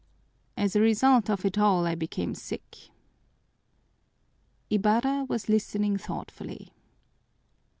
As a result of it all I became sick." Ibarra was listening thoughtfully.